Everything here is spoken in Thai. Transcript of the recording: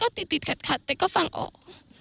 ก็พูดได้ก็ติดขัดแต่ก็ฟังออก